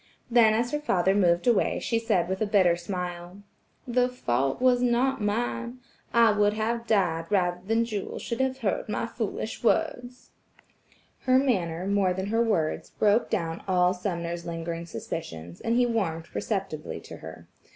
Then as her father moved away she said with a bitter smile: "The fault was not mine. I would have died rather than Jewel should have heard my foolish words." Her manner more than her words, broke down all Sumner's lingering suspicions, and he warmed perceptibly toward her.